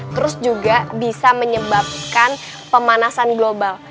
terus juga bisa menyebabkan pemanasan global